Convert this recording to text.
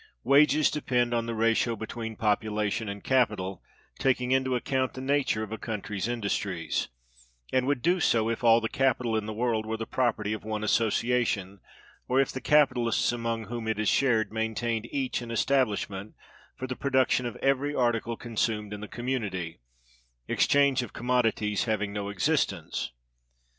Wages depend on the ratio between population and capital [taking into account the nature of a country's industries]; and would do so if all the capital in the world were the property of one association, or if the capitalists among whom it is shared maintained each an establishment for the production of every article consumed in the community, exchange of commodities having no existence.